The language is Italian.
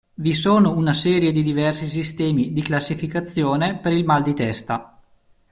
Vi sono una serie di diversi sistemi di classificazione per il mal di testa.